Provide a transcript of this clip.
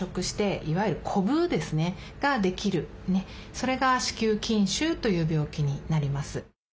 それが「子宮筋腫」という病気になります。